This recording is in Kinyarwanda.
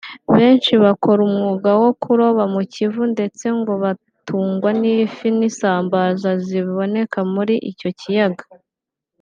benshi bakora umwuga wo kuroba mu Kivu ndetse ngo bagatungwa n’ifi n’isambaza ziboneka muri icyo kiyaga